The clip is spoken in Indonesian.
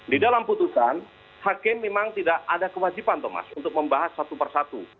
di dalam putusan hakim memang tidak ada kewajiban thomas untuk membahas satu persatu